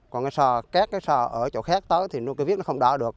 còn cái sò các cái sò ở chỗ khác tới thì nó cái viết nó không đỏ được